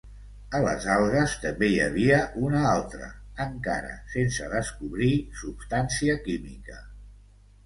A les algues també hi havia una altra, encara sense descobrir, substància química.